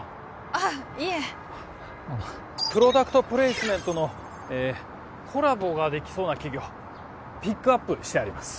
ああいえあプロダクトプレイスメントのコラボができそうな企業ピックアップしてあります